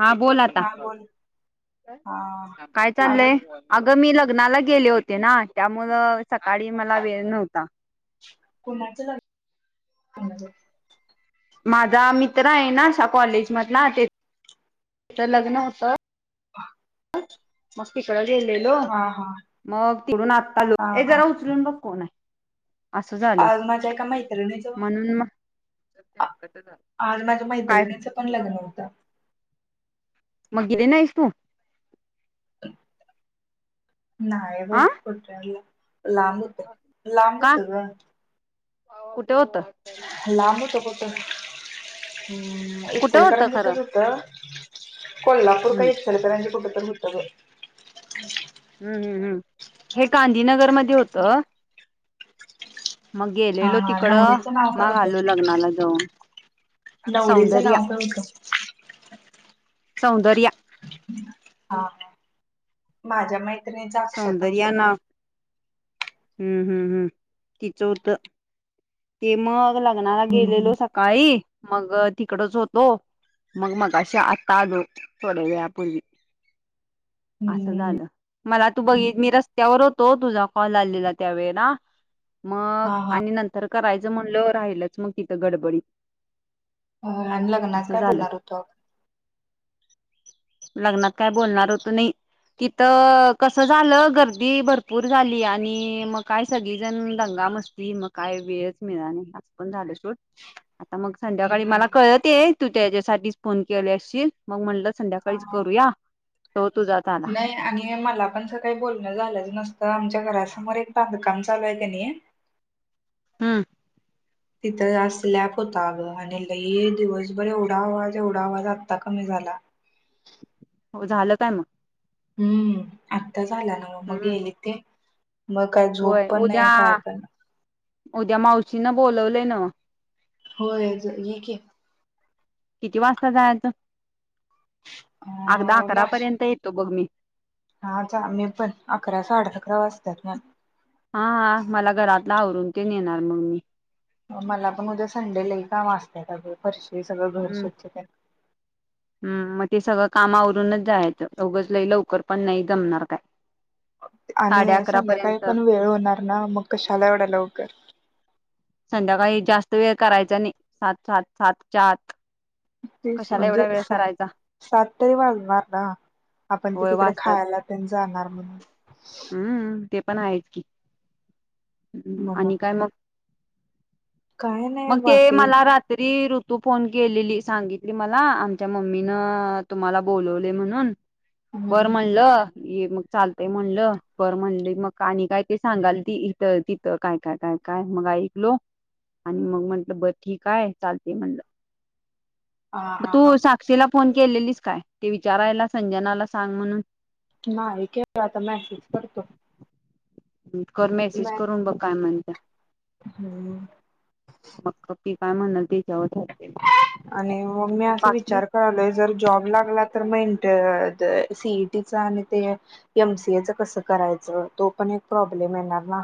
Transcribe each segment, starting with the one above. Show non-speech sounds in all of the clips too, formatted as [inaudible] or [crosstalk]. हा बोल आता... हा बोल हा काय अग चाललंय अगं मी लग लग्नाला गेले होते ना त्यामुळ सकाळी मला वेळ नव्हता कोणाच झा माझा मित्र आहे ना कॉलेजमधला तेच लग्न होत ह मग तिकड गेलेलो हा मग तिकडून आत्ता लो हा हे जरा उचलून बघ कोण आहे असं झालं आग माझय का मैत्र नाही जव म्हणून मग आज माझ्या काय मैत्रिणीच पण लग्न होत मगि दे ना यसू नाहीय ब आ कुठला लांबत लांबूत ग हो लांब होत होत हम् एक कुठं होतं सलकरण खरं घेतच होत कोल्हापूर हम्म काही एकक्षलकरांचे कुठ तररी होत ग हम्म हम् हम्म हे गांधीनगरमध्ये होतं मग हा गेलेलो हा तिकड नवरीचं नाव माग आलो लग्नाला जाऊन नवरेचं सौंदर्या नाव का होतं सौंदर्य हा माझ्या माहिती सौंदर्या ना हम्म हम्म हम्म तिचं होतं ते मग ला लग्नाला हम्म गेलेलो सकाळी मग तिकडच होतो मग मघाशी आता आलो थोड्या वेळापूर्वी हम्म असं हम्म झालं मला तू बघितली मी रस्त्यावर होतो तुझा कॉल आलेला त्यावेळेला मग हा हा आणि नंतर [unintelligible] म्हणलं राहिलच मग तिथ गडबडी [unintelligible] असं काय झालं बोलणार होतो लग्नात काय बोलणार होतो नाही तिथ कस झालं गर्दी भरपूर झाली आणि मग काय सगळीजण दंगा [unintelligible] मग काय वेळच [unintelligible] [unintelligible] [unintelligible] आता मग संध्याकाळी आपण मला कळलं ते आहे तू त्याच्यासाठीच फोन केले असशील मग म्हणलं संध्याकाळीच हा करूया तो तुझाच आला नाही आणि मला पण सकाळी बोलणं झालंच नसतं आमच्या घराच समोर एक बांधकाम चालू आहे की नाही हम तिथं आज स्लॅप होता अगं आणि लई दिवसभर एवढा आवाज एवढा आवाज आत्ता कमी झाला हो झालं काय मग हम्म आता झाला ना मग गेले ते मग काय झोप होय पण उद्या नाही काय [unintelligible] उद्या मावशीन बोलवलंय [unintelligible] होय [unintelligible] की किती वाजता जायच आगदा अं, अकरा नाश- पर्यंत येतो बघ मी हा जा मी पण अकरा साडे अकरा वाजता [unintelligible] हा हा मला घरातला आवरून ते नेणार मग मी मला पण उद्या संडेलाही काम असतय अग फरशी सगळं घर स्वच्छ हम् मग ते सगळं काम आवरूनच जायचं उगच लै लवकर पण नाही जमणार [unintelligible] साडे आणि अकरा संध्याकाळी पर्यंत पण वेळ होणार ना मग कशाला एवढ्या लवकर संध्याकाळी जास्त वेळ करायचा नाही सात सात सातच्या आत [unintelligible] कशाला म्हणजे एवढा वेळ करायचा सात तरी वाजणार ना आपण [unintelligible] होय तिकडे वाजतात खायला [unintelligible] जाणार [unintelligible] हम्म ते पण आहेच की म्हणून आणि काय मग काय नाही मग ते बाकी मला रात्री तू फोन केलेली सांगितली मला आमच्या मम्मीनं तुम्हाला बोलवलंय म्हणून बरं हम्म म्हणलं ये मग चालतंय म्हणल बरं म्हणले मग आणि काय ते सांगाल त इथं तिथं काय काय काय काय मग ऐकलो आणि मग म्हंटलं बर ठीकाय चालते म्हणलं हा मग हा तू हा साक्षीला फोन केलेलीस काय ते विचारायला संजनाला सांग म्हणून नाही केला आता मेसेज करतो कर मेसेज मॅ करून बघ काय म्हणत्या मग [inaudible] ती काय म्हणल ते आणि मग मी अस बाकी विचार कारलोय जर जॉब लागला तर मग इं सीईटीचा आणि ते एमसीए कसं करायचं तो पण एक प्रॉब्लेम [unintelligible]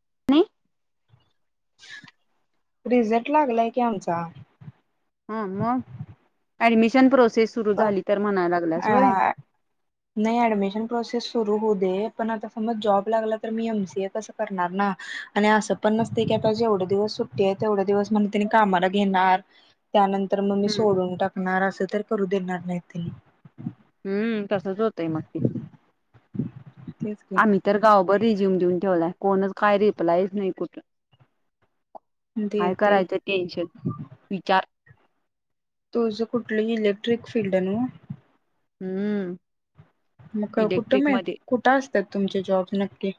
[unintelligible] रिझल्ट लागलाय की आमचा ह मग ऍडमिशन प्रोसेस सुरू झाली तर म्हणायला लागल्यास व्हय. अ नाही अऍडमिशन प्रोसेस सुरू होऊदे पण आता जौब लागला तर हि एम सी ए कसं करणार ना एवढे दिवस सुट्टी आहे तेवढ दिवस म्ह कामाला घेणार त्यानंतर तर मग मी हम्म सोडून टाकणार असं तर करू देणार नाही त हम्म तसच होतंय मगकी तेच की आम्ही तर गावभर रिझ्यूम देऊन ठेवलाय कोणच काय रिपलाहीच नाही कुठ ते काय ते करायचं टेन्शन विचार तुझं कुठलंही इलेक्ट्रिक फीलल््डण हम्म म इलेक्ट्रिक कुठुब आहे मध्ये. कुठं असतात तुमचे जॉब् नक्की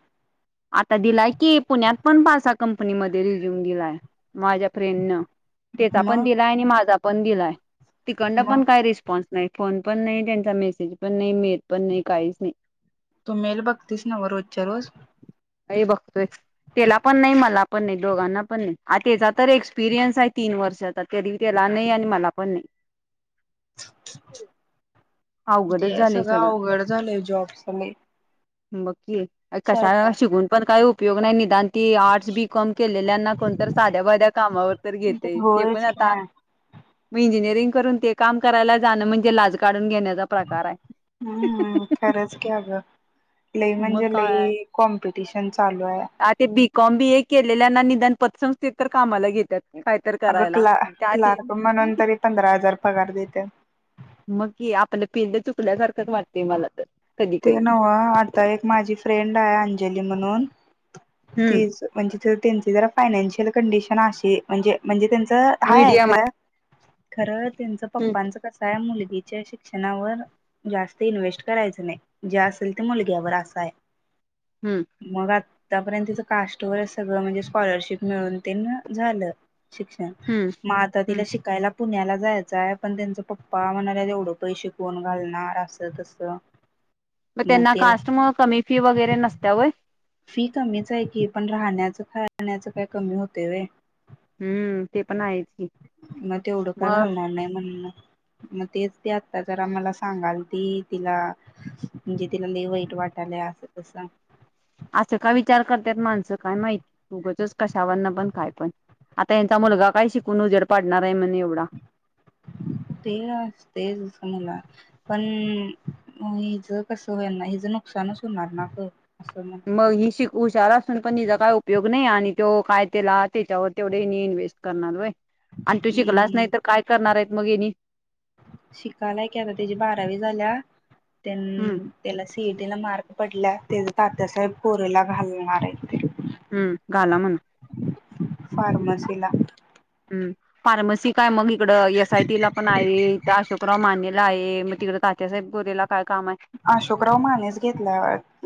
आता दिलाय की पुण्यात पण पाारसा कंपनीमध्ये रिझ्यूम दिलाय माझ्या फ्रेंड न त्याचा पण मग दिलाय आणि माझा पण दिलाय तिकंड मग पण काही रिस्पॉन्स नाही फोन पण नाही त्यांचा मेसेज पण नाही मेल पण नाही काहीच नाही तू मेल बघतीस नव रोजच्या रोज का बघतोय त्याला पण नाही मला पण नाही दोघांना पण नाही त्याचा तर एक्सपिरियन्स आहे तीन तीन वर्ष तरी त्याला नाही आणि मला पण नाही अवघडच ते झालंय सगळं अवघड झालंय जॉबस बगकी कशा शिकून पण काही उपयोग नाही नि दान ते आर्ट्स बीकॉम केलेल्यांना कोणत साध्या बाध्या कामावर तर घेते ते पण होयच की आता मग इंजिनिअरिंग करून ते काम करायला जाणं म्हणजे लाज काढून घेणं प्रकार हम्म आहे खरंच की अगं लई मग म्हणजे काय लई कॉम्पिटिशन चालू आहे आ ते बीकॉम बी हे केलेल्याना निधन पतसंस्थेत तर कामाला घेतात काय तर अगं करायला क्ला त्या ते क्लार्क म्हणून तरी पंधरा हजार पगार देत मग आपलं पेले चुकल्यासारखंच वाटते मला तर कधी ते कधी. नव आता एक माझी फ्रेंड आहे अंजली म्हणून हम्म तेच म्हणजे त्यां जरा फायनान्शियल कंडिशन म्हणजे म्हणजे त्यां तर हाय आहे मीडियम खर खर त्यांचं आहे. हम्म पप्पांच कस आहे मुलगीचेिक शिक्षणावर जास्त इन्व्हेस्ट करायच नाही जे असेल ते मुलग्यावर असा आहे हम्म मग आ आतापर्यंत तिचं कास्ट वगैरे सगळं म्हणजे स्कॉलरशिप मिळून ते झालं शिक्षण हम्म माता तिला हम्म शिकायला पुण्याला जायचंय पण त्यांच पप्पा म्हणाले तेवढं पै शिकून घालणार असं तस मग त्यांना कास्ट मुळ कमी फी वगैरे नसत्या वय फी कमीच आहे की पण राहण्या राहण्याचं काय कमी होते व हम्म ते पण आहेची मग तेवढं का घालणार नाही म्हणण मग तेच ते आता जरा मला सांगाल ती तिला म्हणजे तिला ल वाईट वाट भले आ अस तस असं का विचार करतात माणसं काय माहिती उगचच कशावरना पण काय पण आता यांचा मुलगा काय शिकून उजेड पाडणार आहे म्हण एवढा ते तेचमला पण म हिजं कसं होईल ना हिचं नुकसानच होणार ना फ मग ही शिक हुशार असून पण तिचा काय उपयोग नाही आणि तो काय तेला त्याच्यावर तेवढे इन्व्हेस्ट करणारय आणि तू शिकलाच नाही तर काय करणार आहे मग हेनी शिकालायक आता त्याची बारावी झाल्या हम्म त्यांन तेला सीटीला मार्ग पडल्या ते तात्यासाहेब पोरेला घालणार आहे हम्म घाला म्हण फार्मसी ला फार्मसी काय मग इकड एस आय टीला पण आहे हित अशोकराव मान्यला आहे मग तिकड साहेबोरीला [unintelligible] का अशोकराव मानेच घेतला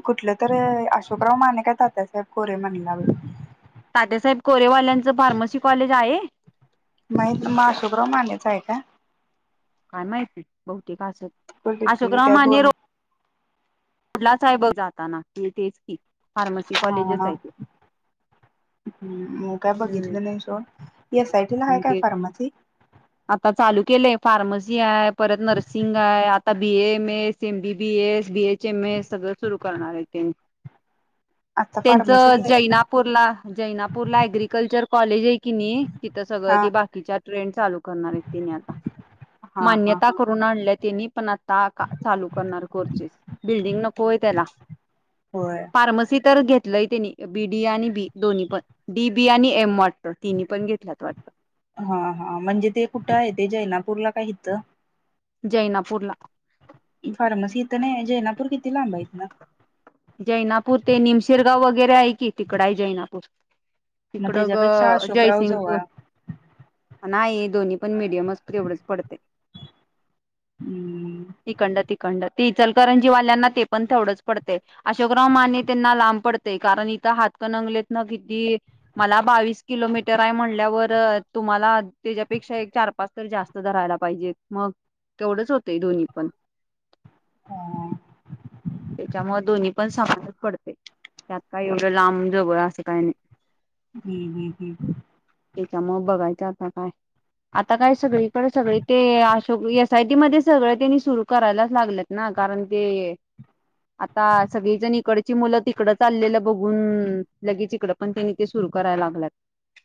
कुठलं तररी अशो सुुप्रा माने्य काय तात्यासाहेब कोरे म्हणलाग तात्यासाहेब कोरेवाल्यांचं फार्मसी कॉलेज आहे माह [unintelligible] मग अशोकराव मानेच आहे का काय माहिती बहुतेक असलं अशोक तिथले राव त्या माने दोन कुठलाच आहे बघ जाताना की तेेच की फार्मसी कॉलेजच आहे ते ह् मग काय बघितलं हम्म नाही सोड एस आय टी आय काय ते फार्मसी आता चालू केले फार्मसी आहे परत नर्सिंग आहे आता B A M S M B B S B S जचे [unintelligible] मे सगळं सुरू करणार आहे ते आता त्यांच फार्मसी किती जैनापूरला जैनापूरला अग्रिकल्चर कॉलेज आहे की नाही तिथं सगळं हा बाकीच्या ट्रेंड चालू करणार आहेत आता हा हा मान्यता हा करून आणल्यात तेनी पण आता चालू करणार कोर्चेस बिल्डिंग नकोय त्याला होय फार्मसी तर घेत त्यानी बी डी आणि बी दोन्ही पण डी बी आणि एम मॉट हा हा म्हणजे ते कुठे आहे ते जैना पूरला काय हित जैनापूर ला फारमसी तर नाहील जैनापूर किती लांब हितंन गाव वगैरे आहे की तिकड आहे जैनापूर मग तिकडं त्याच्यापेक्षा ग अशोकराव जवळ जयसिंगपूर नाही दोन्ही पण मडियम असत एवढच पडते हम्म इकड तिकडं करंजीवाल्यांना ते पण तेवढंच पडतय अशोकराव माने त्यांना लांब पडतेय कारण इथं हातकनंगले क [unintelligible] मला बावीस किलोमीटर म्हणल्यावर तुम्हाला तेज्यापेक्षा चार पाच तरी जास्त धरायला पाहिजेत मग तेवढंच होतय दोन्ही पण हा त्याच्यामुळे दोन्ही पण समजच पडते त्यात काय एवढं लांब जवळ असं काही नाही जी जी जी [unintelligible] त्याच्या मग बघायचं आता काय आता काय सगळीकडे सगळी ते सगळी एस आय टी मध्ये सगळ त्यांनी सुरू करायलाच लागलेत ना कारण ते आता सगळीजण इकडची मुलं तिकडचाललेलं बघून लगेच इकडं पण त्यांनी ते सु कराय लागल्यात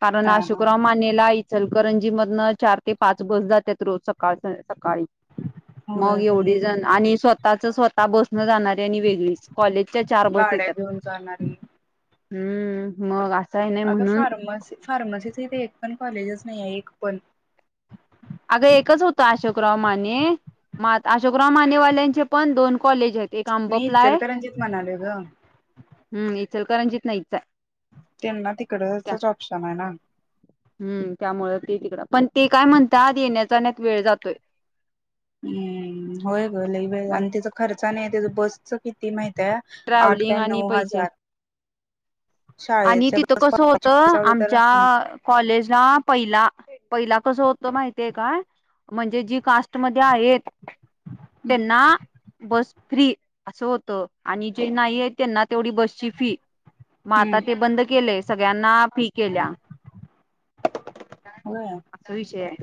कारण हा हा अशोकराव मानेला इचलकरंजी मधनं चार ते पाच बस जातात रोज सकाळच सकाळी मग होय एवढी लई जण आणि स्वतः स्वतःच स्वतः बस न जाणारे आणि वेगळीच कॉलेजच्या चार बस गाड्या येतात घेऊन जाणारी हम्म मग असं आहे नाही अग म्हणून फार्मसी फार्मसीच इथे एक पण कॉलेजेस नाही आहे एक पण अगं एकच होत अशोकराव माने म अशोकराव मानेवाल्यांचे पण दोन कॉलेज आहे एक मी आंबपला आहे इचलकरंजीत म्हणालोय ग हम इचल करंजित नाईच आय त्यांना तिकडंचच ऑप्शन आहे ना हम्म त्यामुळे ते तिकडं पण ते काय म्हणतात येण्याचाण्यात वेळ जातोय हम्म होय ग लय वेळ मग आणि त्याचा खर्चा नाही त्याच बसच किती माहित आठ का नऊ हजार ह [inaudible] आणि शाळेच्या तिथं बस कस होत कॉलेजची बस लावली तर आमच्या कॉलेजला पहिला पहिला कस हो होतो माहितीय काय म्हणजे जी कास्ट मध्ये आहेत हम्म त्यांना बस फ्री असं होतं आणि जे नाही आहेत त्यांना तेवढी बसची फी मग आता ते बंद केलेय सगळ्यांना फी केल्या. होय असं विषय हाय.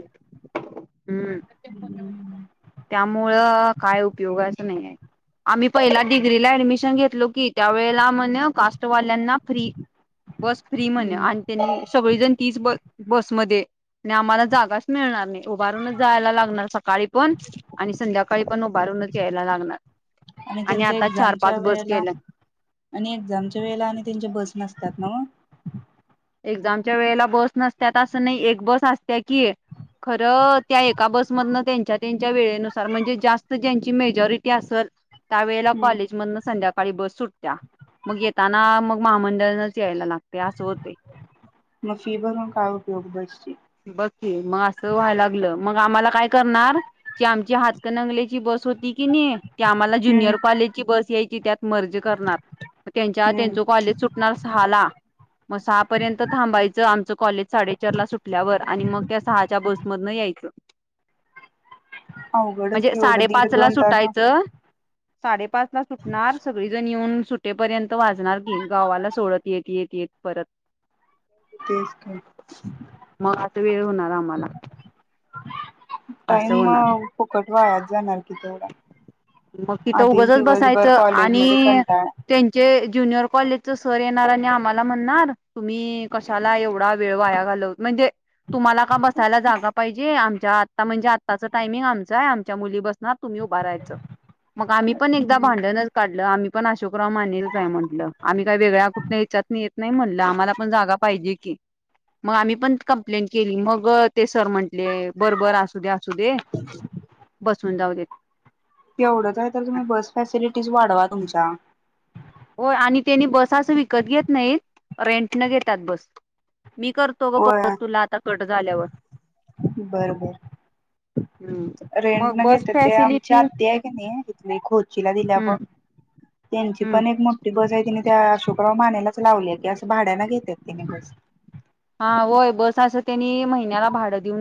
हम्म हम्म त्यामुळं काय उपयोगाचं नाही आहे. आम्ही पहिला डिग्रीला ऍडमिशन घेतलो की त्यावेळेला म्हण कास्ट वाल्या ल्याना फ्री बस फ्री म्हण आणि त्यांनी सगळीजण तीच बस बसमध्ये आणि आम्हाला जागाच मिळणार नाही उभारूनच जायला लागणार सकाळी पण आणि संध्याकाळी पण उभारून नच यायला लागनार. आणि त्यांचे एक्झामच्या वेळेला आणि एक्झामच्या वेळेला आणि त्यांच्या बस नसतात न्हव एक्झामच्या वेळेला बस नसत्यात असं नाही एक बस असतीया की खरं त्या एका बसमधन त्यांच्या त्यांच्या वेळेनुसार म्हणजे जास्त ज्यांची मेजॉरिटी असल त्या वेळेला मग कॉलेजमधनं संध्याकाळ काळी बस सुटत्या मग येताना मग महामंडळनच यायला लागतय असं होतय. म फि भरून काय उपयोग बसची बग की मग असं व्हायला लागलं मग आम्हाला काय करणार की आमची हात कनंगलेची बस होती की नाही ती आम्हाला हम्म ज्युनियर कॉलेजची बस यायची त्यात मर्ज करणार. त्यांच्या हम्म त्यांच कॉलेज सुटणार सहाला म स पर्यंत थांबायचं आमचं कॉलेज साडेचार ला सुटल्यावर आणि मग त्या सहाच्या बसमधन यायचं. अवघडच म्हणजे की एवढं दीड साडेपाचला दोन तास सुटायचं. साडेपाचला सुटणार सगळीजण येऊन सुटेपर्यंत वाजणार की गावाला सोडत एक एक एक परत तेच की मग आता वेळ होणार आम्हाला असं टाइम होणार फुकट वाया जाणार की तेवढा मग तिथं आधीच उघचच दिवसभर बसायचं कॉलेजमध्ये आणि कंटाळा त्यांचे ज्युनियर कॉलेजच सर येणार आणि आम्हाला म्हणणार तुम्ही कशाला एवढा वेळ वाया घाल म्हणजे तुम्हाला का बसायला जागा पाहिजे आमच्या आता म्हणजे आत्ताचं टायमिंग आमचं आहे आमच्या मुली बसणार. तुम्ही उभारायच मग आम्ही पण एकदा भांडणच काढलं आम्ही पण अशोक [unintelligible] हाय म्हटलं आम्ही काही वेगळ्या कुठल्या ह्यच्यातन येत नाही म्हटलं आम्हाला पण जागा पाहिजे. मग आम्ही पण कंप्लेंट केली मग ते सर म्हंटले बर बर असू दे असू दे बसून जाऊ दे. तेवढंच आहे तर तुम्ही बस फॅसिलिटीज वाढवा तुमच्या होय आणि त्यांनी बस अस विकत घेत नाहीत रेंट न घेतात बस मी करतो ग होय परत तुला आता कट झाल्यावर बर बर हम्म. रेंट मग न बस घेत्यात ते आमची फॅसिलिटी अत्ती आहे कनी इथं खोचीला दिलीया हम्म बग त्यांची हम्म पण एक मोठी बस आहे तिने त्या अशोकराव मानेलाच लावली आहे की असं भाड्याना घेत्यात त्यांनी बस हा होय बस असं त्यांनी महिन्याला भाडं देऊन